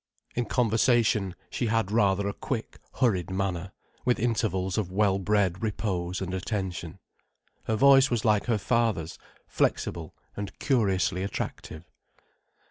In conversation she had rather a quick, hurried manner, with intervals of well bred repose and attention. Her voice was like her father's, flexible and curiously attractive.